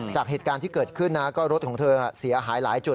จากเหตุการณ์ที่เกิดขึ้นนะก็รถของเธอเสียหายหลายจุด